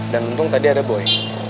dan untung tadi ada boy